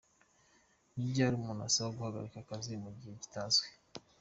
Ni ryari umuntu asaba guhagarika akazi mu gihe kitazwi?.